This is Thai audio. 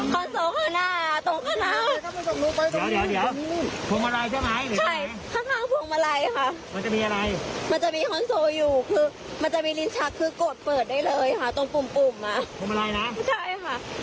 ขอความช่วยเหลือจากกู้ไพไปดูช่วงวินาที